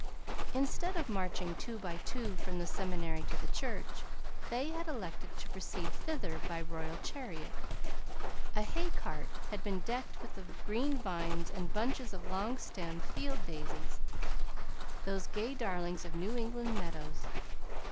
Instead of marching two by two from the seminary to the church, they had elected to proceed thither by royal chariot. A haycart had been decked with green vines and bunches of long stemmed field daisies, those gay darlings of New England meadows.